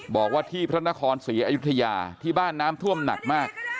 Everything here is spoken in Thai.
บอกว่าที่พระนครศรีอยุธยาที่บ้านน้ำท่วมหนักมาก